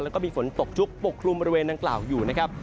แล้วก็มีฝนตกชุกปกคลุมบริเวณดังกล่าวอยู่นะครับ